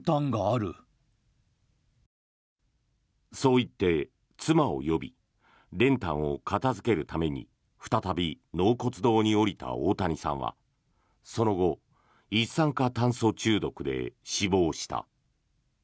そう言って妻を呼び練炭を片付けるために再び納骨堂に下りた大谷さんはその後一酸化炭素中毒で死亡した。